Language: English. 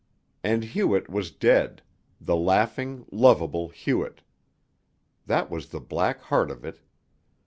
And Hewett was dead, the laughing, lovable Hewett. That was the black heart of it.